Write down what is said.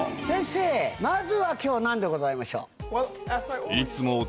先生まずは今日は何でございましょう？